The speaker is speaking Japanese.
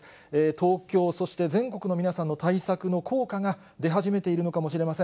東京、そして全国の皆さんの対策の効果が出始めているのかもしれません。